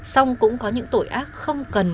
xong cũng có những tội ác không cần